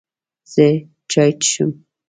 زه چای څښم.